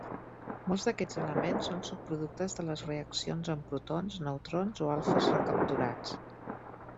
Molts d'aquests elements són subproductes de les reaccions amb protons, neutrons o alfes recapturats.